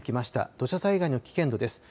土砂災害の危険度です。